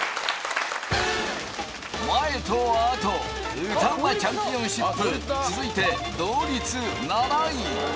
「前と後」歌うまチャンピオンシップ続いて同率７位